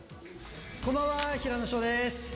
こんばんは、平野紫燿です。